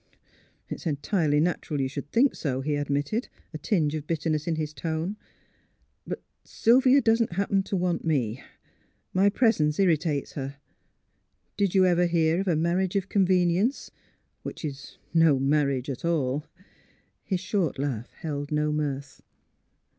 '' It's entirely natural you should think so," he admitted, a tinge of bitterness in his tone. " But — Sylvia doesn't happen to want me. My presence irritates her. Did you ever hear of a marriage of convenience — which is no marriage at all! " His short laugh held no mirth.